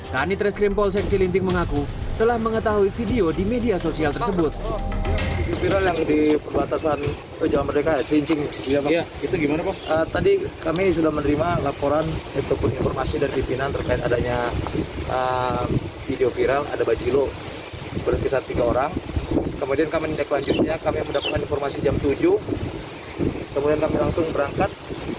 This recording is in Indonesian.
kanitreskrim polsek cilincing mengaku telah mengetahui video di media sosial tersebut